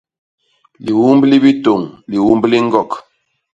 Liumb li bitôñ; liumb li ñgok.